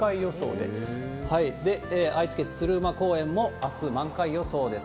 で、愛知県鶴舞公園も、あす満開予想です。